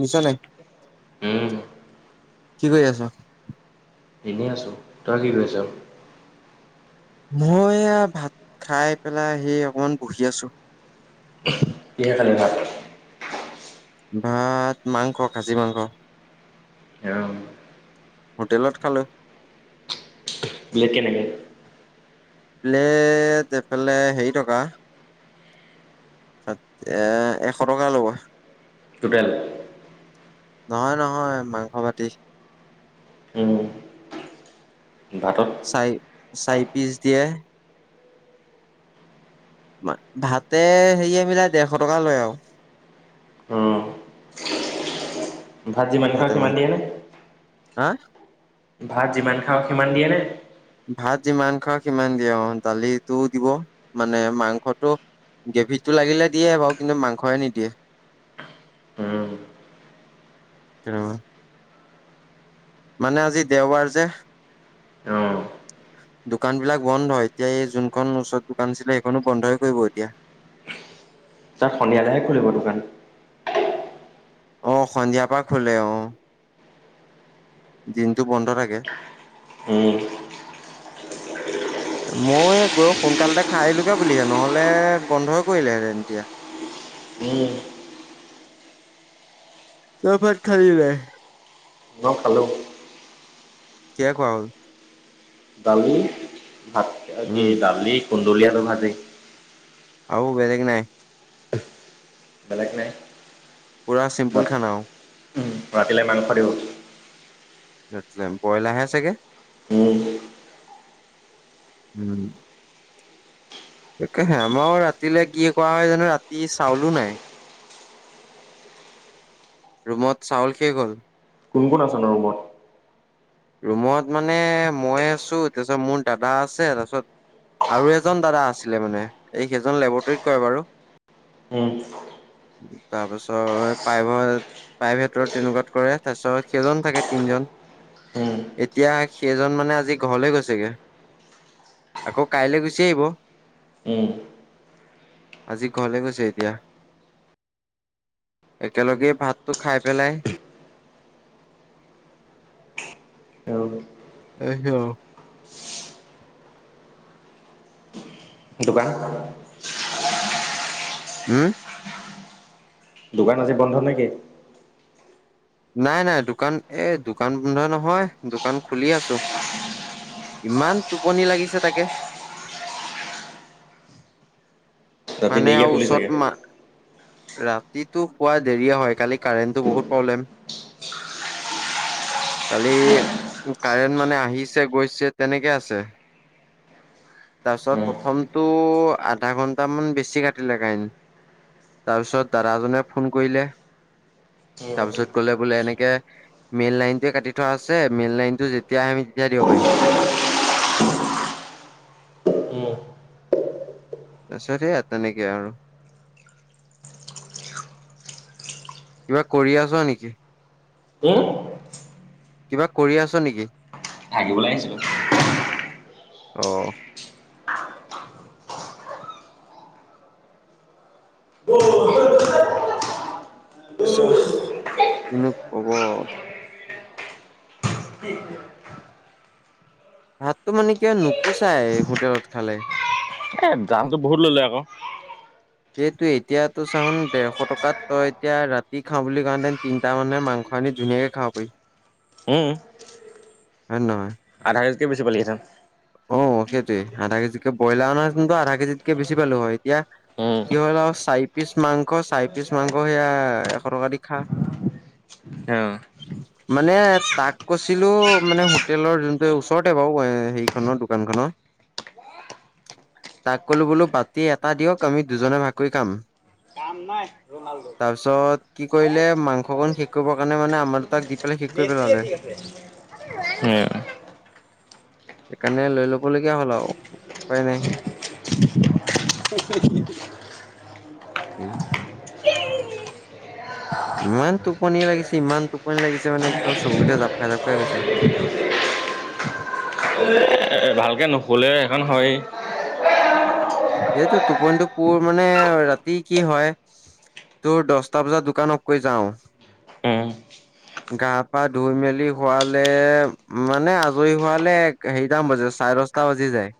নিছা নাই। উম। কি কৰি আছ? এনেই আছোঁ, তই কি কৰিছ? মই এয়া, ভাত খাই পেলাই সেৰি অকমান বহি আছো। কিহেৰে খালি ভাত। ভাত মাংস, খাছী মাংস। অ'। হোটেলত খালোঁ। লেকেনেকে। লে এইফালে হেৰি টকা। এ এশ টকা ল'ব। টুটেল? নহয় নহয়, মাংস বাটি। উম। ভাতত চাই, চাই পিছ দিয়ে। ভাতে হেৰিয়ে মিলাই ডেৰশ টকা লয় আৰু। উম, ভাত যিমান খাওঁ ভাতে সিমান মাংস, দিয়ে নে? হা! ভাত যিমান খাওঁ সিমান দিয়েনে? ভাত যিমান খাওঁ সিমান দিয়ে, দালিটোও দিব, মানে মাংসটো গ্ৰেভিটো লাগিলে দিয়ে বাৰু কিন্তু মাংসহে নিদিয়ে। উম। আৰু মানে আজি দেওবাৰ যে। উম। দোকানবিলাক বন্ধ, এতিয়া এই যোনখন ওচৰত দোকান আছিলে সেইখনো বন্ধই কৰিব এতিয়া। তাত সন্ধিয়ালৈহে খুলিব দোকান। অহ, সন্ধিয়াৰ পৰা খোলে অহ। দিনটো বন্ধ থাকে। উম। [inaudible] মই গৈ সোনকালতে খাই আহলোগে বুলিহে, নহ'লে বন্ধই কৰিলেহেঁতেন এতিয়া। উম। তই ভাত খালি নাই? অহ, খালোঁ। কিহে খোৱা হ'ল। দালি ভাত, কি উম দালি কুন্দলি আলু ভাজি। আৰু বেলেগ নাই? বেলেগ নাই। পুৰা ৰা চিম্পুল খানা অহ। ৰাতিলে মাংস আনিব। ব্ৰইলাৰাহে চাগে, উম, উম। তাকেহে আমাৰ ৰাতিলে কি কৰা হয় জানোঁ, ৰাতি চাউলো নাই। ৰুমত চাউল শেষ হ'ল। কোন কোন ন' ৰুমত। ৰুমত মানে মই আছোঁ, তাৰপিছত মোৰ দাদা আছে, তাৰপিছত আৰু এজন দাদা আছিলে মানে, এই কেইজন লেবৰেটৰীত কৰে বাৰু। উম, [inaudible] তাৰপিছত প্ৰাইভ-প্ৰাইভেটৰ তেনেকুৱাত কৰে, তাৰপিছত সেইজন থাকে তিনজন। উম, এতিয়া সেইজন মানে আজি ঘৰলে গৈছেগে। আকৌ কাইলৈ গুচি আহিব। উম। আজি ঘৰলে গৈছে এতিয়া। একেলগে ভাতটো খাই পেলাই। আৰু গৈছে বাৰু। দোকান। উম। দোকান আজি বন্ধ নেকি? নাই-নাই দোকান, এ দোকান বন্ধ নহয়, দোকান খুলি আছোঁ। ইমান টোপনি লাগিছে তাকে ৰাতি মানে দেৰিকে আৰু শুলি ওচৰত চাগে। মা ৰাতিটো শূৱা দেৰিয়ে হয়, কালি কাৰেণ্টো বহুত প্ৰব্লেম। কালি কাৰেণ্ট মানে আহিছে গৈছে তেনেকে আছে। তাৰপিছত উম। প্ৰথমটো আধা ঘন্টামান বেছি কাটিলে কাৰেণ্ট। তাৰপিছত দাদাজনে ফোন কৰিলে, উম, তাৰপিছত কলে বোলে এনেকে মেইল লাইনটোৱে কাটি থোৱা আছে, মেইল লাইনতটো যেতিয়া আমি যেতিয়া দিব পাৰিম। উম। আছো দিয়া তেনেকে আৰু। কিবা কৰি আছ নেকি? উম? কিবা কৰি আছ নেকি? ভাগিবলৈ আহিছিলোঁ। আহ। [unintelligible] তাৰপিছত কিনো কব। [unintelligible] ভাততটো মানে কিব নোপোচাই হোটেলত খালে। এ দামতটো বহুত ললে আকৌ। এইটো এতিয়াতটো চান দেৰশ টকাত, তই এতিয়া ৰাতি খাও বুলি কলে তিনটা মানুহে মাংস খানী ধুনীয়াকে খাৱ পাৰি। হম। ধন্যবাদ। আধাকেজিটকে বেছি [unintelligible] অ' সেইটোৱে আধা কেজিত কে ব্ৰইলাৰ অনা কিন্তু আধা কেজিতকে বেছি পালো হয়, এতিয়া উম, কি হল আৰু চাৰি পিচ মাংস, চাৰি পিচ মাংস সেয়া এশ টকা দি খাম। [inaudible] অ'। মানে তাক কৈছিলো মানে হোটেলৰ যোনটো ওচৰতে বাৰু হেৰি খনৰ দোকান খনত। তাক কলো বোলো বাতি এটা দিয়ক আমি দুজনে ভাগ কৰি খাম। [unintelligible] তাৰপিছত, কি কৰিলে মাংসকণ শেষ কৰিব কাৰণে মানে আমাৰ দুতাক দি পেলাই শেষ কৰি পেলালে। [unintelligible] উম। সেইকাৰণে লৈ ল'বলগীয়া হ'ল আৰু, উপায় নাই। [unintelligible] উম। [unintelligible] ইমান টোপনি লাগিছে, ইমান টোপনি লাগিছে মানে একদম চকুকেইটা জাপ জাপাই গৈছে। ভালকৈ নুখলে সেখন হয়ে। এইটো টোপনিতটো পুৰ মানে ৰাতি কি হয় তোৰ দহটা বজাত দোকান ওপ কৰি যাওঁ। উম। গা পা ধুই মেলি হোৱালে মানে আজৰি হোৱালে হেৰিটাম বজা চাৰে দশটা বাজি যায়,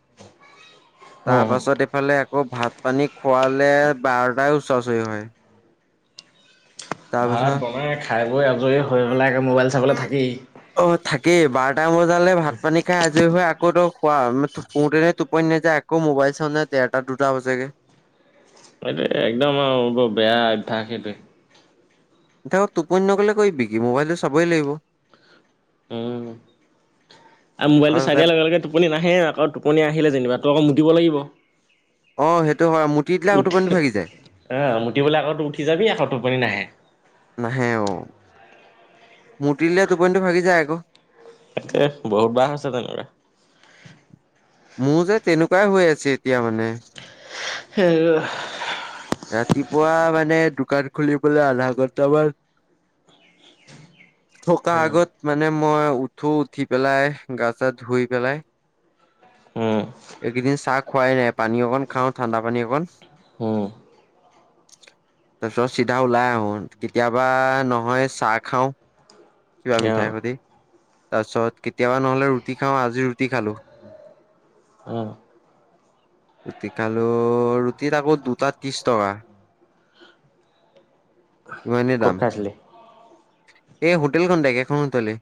তাৰ উম। পাছত সফালে আকৌ ভাত পানী খোৱালে বাৰটাই ওচাৰচৰি হয়। ভাত তাৰপিছত বনাই খাই বৈ আজৰি হৈ পেলাই আকৌ মোবাইল চাবলৈ থাকেই। অ' থাকেই বাৰটাাম বজালে ভাত পানী খাই, আজৰি হৈ আকৌ তই খোৱা সোৱাতে টোপনি নাযায় আকৌ মোবাইল চাওটে দেৰটা দুটা বাজেগে। এইটোৱে একদম আৰু বৰ বেয়া অভ্যাস সেইটোৱে। এতিয়া আকৌ টোপনি নগ'লে কৰিবি কি মোবাইলটো চাবই লাগিব। উম। আৰু মোবাইলটো চাই দিয়াৰ লগে লগে টোপনি নাহে আকৌ টোপনি আহিলে যেনিবা তো আকৌ মুটিব লাগিব। অ' সেইটো হয় মোৰ উঠি আহ, মুতিবলৈ আকৌ উঠি যাবি আকৌ টোপনি নাহে। নাহে অ', মুতি দিলে টোপনিটো ভাগি যায় আকৌ। তাকে বহুত বাহ আছে তেনেকুৱা। মোৰ যে তেনেকুৱাই হৈ আছে এতিয়া মানে। সেই [unintelligible] ৰাতিপুৱা মানে দোকান খুলিবলে আধা ঘন্টামান থকা উম, আগত মানে মই উঠো উঠি পেলাই গা চা ধুই পেলাই উম, এইকেইদিন চাহ খোৱাই নাই পানী অকণ খাওঁ ঠাণ্ডা পানী অকণ উম, তাৰ পিছত চিধা ওলাই আহো কেতিয়াবা নহয় চাহ খাওঁ কিবা মিঠাই অ', সৈতি, তাৰ পিছত কেতিয়াবা নহ'লে ৰুটি খাওঁ আজি ৰুটি খালো। অ', ৰুটি খালো ৰুটিত আকৌ দুটাত ত্ৰিছ টকা। ইমানেই ক'ত দাম। খাইছিলি? এই হোটেলখনতে একেখন হোটেলে।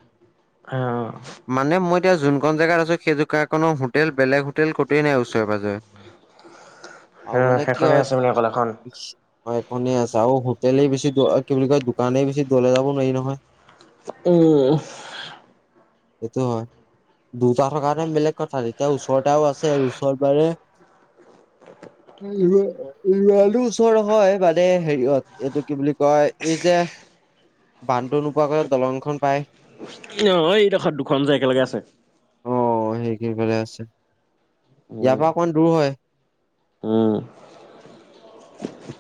অ'। মানে মই এতিয়া যোনখন জেগাত আছো সেই জেগাকনৰ হোটেল বেলেগ হোটেল কতোৱেই নাই ওচৰে পাজৰে। আৰু অ', মানে কি সেইখনে হয় আছে বুলি অকল এখন। হয় এখনেই আছে আৰু হোটেলে বেছি দ কি বুলি কয় দোকানেই বেছি দলে যাব নোৱাৰি নহয়। উম। সেইটো হয়। দুটা থকাণে বেলেগ কথা এতিয়া ওচৰতে আও আছে ওচৰত মানে [inaudible] ইমানো ওচৰ নহয় মানে হেৰিয়ত এইটো কি বুলি কয় এই যে বানটো নোপোৱা আগতে দলংখন পাই অ', এইদোখত দুখন যে একেলগে আছে। অ' [unintelligible] সেই কই ভাল আছে ইয়াৰ উম, পৰা অকণমান দূৰ হয়। উম,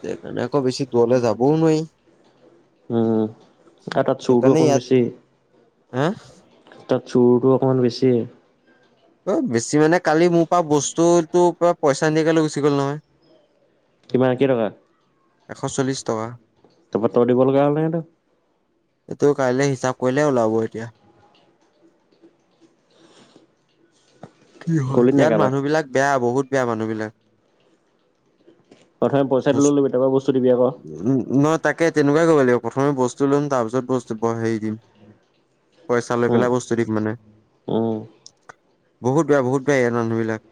সেইকাৰণে আকৌ বেছি দূৰলৈ যাবও নোৱাৰি উম। আৰু তাত চুৰটো সেইকাৰণে অকমান ইয়াত, বেছি, হা তাত চোৰটো অকণমান বেছি। অ', বেছি মানে কালি মোৰ পৰা বস্তুতটো পৰা পইচা নিদিয়াকৈ গুচি গ'ল নহয়। কিমান কেই টকা? এশ চল্লিছ টকা। তাপা তই দিব লগা হ'ল নে নে এইটো কাইলৈ হিচাপ কৰিলে ওলাব এতিয়া কি হয় কলি নাই ইয়াত কাৰোবাক? মানুহ বিলাক বেয়া বহুত বেয়া মানুহবিলাক। প্ৰথমে পইচাটো বস লৈ ল'বি তাপা বস্তু দিবি আকৌ। উম' ম তাকে তেনেকুৱাই কৰিব লাগিব। প্ৰথমে বস্তু ল'ম তাৰপিছত বস্তু হেৰি দিম পইচা লৈ উম, পেলাই বস্তু দিম মানে। উম। বহুত বেয়া বহুত বেয়া ইয়াত মানুহবিলাক।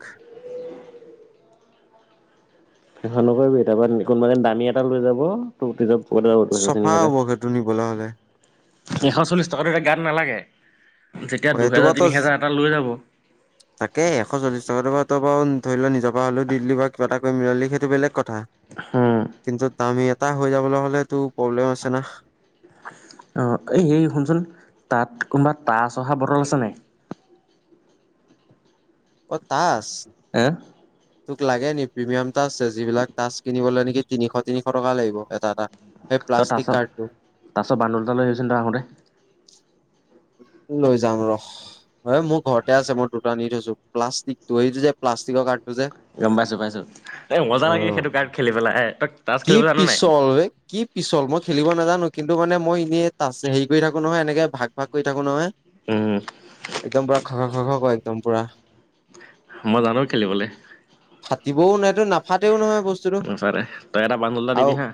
সেইখন নকৰিবি তাৰপৰা কোনোবা দিনা দামী এটা লৈ যাব তোৰ ওপৰতে যাব দুই তিনি হাজাৰ টকা। টো নিবলৈ হ'লে। এশ চল্লিশ টকাতটো এতিয়া গাত নালাগে, যেতিয়া অ এইটো বাৰু দুহেজাৰ তিনি তই হেজাৰ এটা লৈ যাব তাকে, এশ চল্লিশ টকাটো বাৰু তই বাৰু ধৰি ল' নিজৰ পৰা হ'লেও দি দিলি বা কিবা এটা মিলালি সেইটো বেলেগ কথা। কিন্তু আমি [unintelligible] এটা হৈ যাবলৈ হ'লেতো প্ৰব্লেম আছে না। অ', এই হেৰি শুনচোন তাত কোনোবা টাঁচ অহা বটল আছেনে নাই? অ', টাঁচ। হে তোক লাগে নেকি প্ৰিমিয়াম টাঁচ যিবিলাক টাঁচ কিনিবলৈ নেকি তিনিশ তিনিশ টকা লাগিব এটা এটা। সেই তই প্লাষ্টিক কাৰ্ডটো টাঁচ-টাঁচৰ বান্দোল এটা লৈ আহিবিচোন তই আহোঁতে। লৈ যাম ৰহ, মোৰ ঘৰতে আছে মই দুটা নি থৈছো প্লাষ্টিকটো যে প্লাষ্টিকৰ কাৰ্ডটো যে। গম পাইছোঁ, পাইছোঁ এ মজা অ লাগে সেইটো কাৰ্ড খেলি পেলাই এ তই তাছ কি খেলিব জানোঁ নে নাই। পিছল বে কি পিছল, মই খেলিব নাজানোঁ কিন্তু মানে মই এনেই তাজ হেৰি কৰি থাকো নহয় এনেকে ভাগ ভাগ কৰি থাকো নহয়। উম। একদম পুৰা খ, খ, খ, খ কৰে একদম পুৰা। মই জানো খেলিবলৈ। ফাটিবও [unintelligible] নাফাতেও নহয় বস্তুটো মুঠতে তই এটা বান্দোল এটা আৰু। দিবি হা।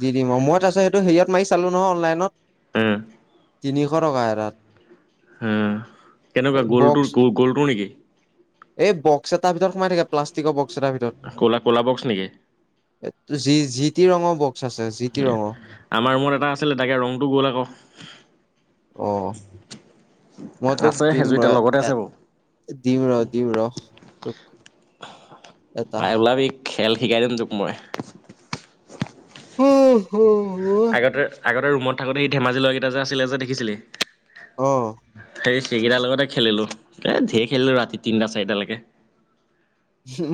দি দিম মই তাৰপিছত সেইটো হেৰিয়ত মাৰি চালোঁ নহয় অনলাইনত। উম। তিনিশ টকা এটাত। হা কেনেকুৱা বক্স গ'লটোৰ গ-গ'লটো নেকি। এই বক্স এটা ভিতৰত সোমাই থাকে প্লাষ্টিকৰ বক্সৰ এটা ভিতৰত। ক'লা ক'লা বক্স নেকি? [unintelligible] জি টি ৰঙৰ বক্স আছে জি টি ৰঙৰ। আমাৰ ৰুমত এটা আছিলে, তাকে ৰংটো গ'ল আকৌ। অ। মই তোক আছে দিম সেইযোৰ ৰ এতিয়া লগতে এ আছে বাৰু। দিউৰ দিউৰ। তই, ওলাবি খেল শিকাই দিম তোক মই। [unintelligible] আগতে আগতে ৰুমত থাকোতে সেই ধেমাজিৰ ল'ৰা কেইটা যে আছিলে যে দেখিছিলি অ সেই। সেইকেইটাৰ লগতে খেলিলোঁ ধেৰ খেলিলোঁ ৰাতি তিনিটা চাৰিটালৈকে।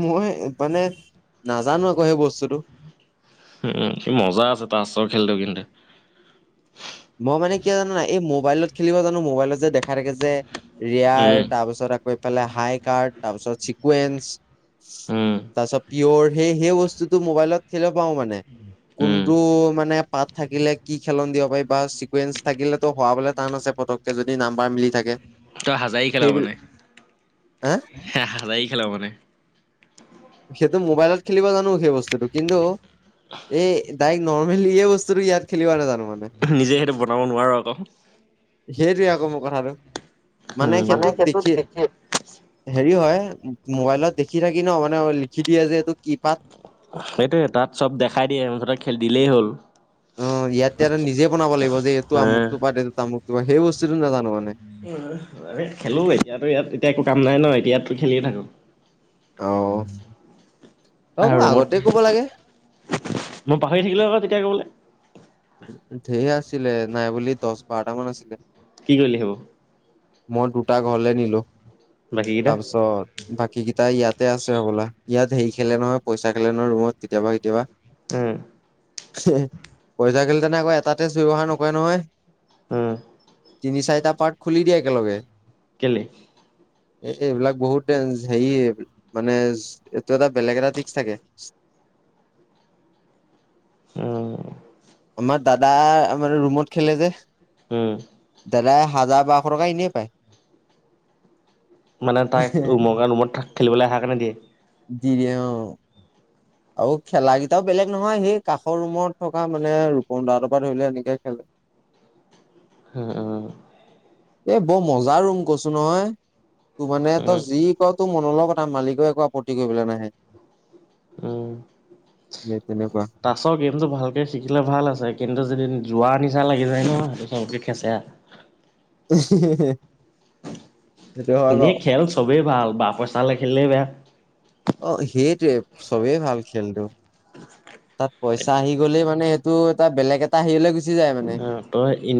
মই মানে নাজানো আকৌ সেই বস্তুটো। উম [unintelligible] মজা আছে তাছৰ খেলটো কিন্তু। মই মানে কি হয় জানোঁ নে নাই এই মোবাইলত খেলিব জানোঁ মোবাইলত যে দেখাই থাকে যে ৰিয়াৰ উম তাৰপিছত আক [unintelligible] পেলাই হাই কাৰ্ড তাৰপিছত চিকুৱেঞ্চ উম তাৰপিছত। পিয়ৰ সেই, সেই বস্তুটো মোবাইলত খেলিব পাওঁ মানে উম কোনটো মানে। পাত থাকিলে কি খেলন দিব পাৰি বা ছিকুৱেঞ্চ থাকিলেটো হোৱাবলৈ টান আছে পতককে যদি নাম্বাৰ মিলি থাকে। তই হাজাৰি খেলা সেইবিল মানে হা হাজাৰি খেলো মানে। সেইটো মোবাইলত খেলিব জানোঁ সেই বস্তুটো কিন্তু। এই ডাইৰেক্ট নৰ্মেলি এই বস্তুটো ইয়াত খেলিব নেজানো মানে। নিজে সেইটো বনাব নোৱাৰোঁ আকৌ। সেইটোৱে আকৌ মোৰ কথাটো মানে উম সেইটোত দেখি। হেৰি হয় মোবাইলত দেখি থাকি নহ মানে লিখি দিয়ে যে এইটো কি পাত। সেইটোৱে তাত চব দেখাই দিয়ে মুঠতে খেল দিলেই হ'ল। অ ইয়াতে যে নিজে বনাব লাগিব যে এইটো হে আমুকটো পাত এইটো তামুকটো পাত সেই বস্তুটো নাজানোঁ মানে। খেলো এতিয়াতো ইয়াত এতিয়া একো কাম নাই নহ এতিয়াতো খেলিয়ে থাকো। অ অ মোক [unintelligible] ৰুমত আগতে ক'ব লাগে মই পাহৰি থাকিলোঁ আকৌ তেতিয়া ক'বলে। ঢেৰ আছিলে নাই বুলি দহ বাৰটা মান আছিলে। কি কৰিলি সেইবোৰ। মই দুটা ঘৰলে নিলো বাকী কেইটা তাৰপিছত। বাকী কেইটা ইয়াতে আছে হ'বলা ইয়াত হেৰি খেলে নহয় পইচা খেলে নহয় ৰুমত কেতিয়াবা, কেতিয়াবা। উম। [unintelligible] পইচা খেলিলে [unintelligible] আকৌ এটা [unintelligible] ব্যৱহাৰ নকৰে নহয়। উম। তিনি চাৰিটা পাৰ্ট খুলি দিয়ে একেলগে। কেলে। এ এইবিলাক বহুত [unintelligible] হেৰি মানে এইটো এটা বেলেগ এটা তিকচ থাকে। [inaudible] আমাৰ দাদা আমাৰ ৰুমত খেলে যে। উম। দাদাই হাজাৰ বাৰশ টকা এনে পায়। মানে তাইক [unintelligible] ৰুমত খেলিবলে আহা কাৰণে দিয়ে! দিয়ে অ'। আৰু খেলাকিটাও বেলেগ নহয়, সেই কাষৰ ৰুমত থকা মানে ৰূপম দাহতৰ পৰা ধৰিলৈ এনেকে খেলে। [inaudible] [inaudible] এ, বৰ মজাৰ ৰুম কৈছোঁ নহয়। তোৰ মানে তই উম যি কৰ তোৰ মনৰ লগ কথা, মালিকেও একো আপত্তি কৰিবলৈ নাহে। সেই তেনেকুৱা। টাছৰ গেমটো ভালকৈ শিকিলে ভাল আছে, কিন্তু যদি জুৱা নিচা লাগি যায় ন' [unintelligible] চবকে খেচেৰা। [inaudible] সেইটো হয় এনেই বাৰু খেল চবেই ভাল বা পইচালে খেলিলে বেয়া। অ', সেইটোৱে চবেই ভাল খেলটো। তাত পইচা আহি গ'লেই মানে সেইটো এটা বেলেগ এটা হেৰিঅলৈ গুচি যায় মানে। অ তই